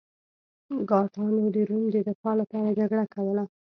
ګاټانو د روم د دفاع لپاره جګړه کوله.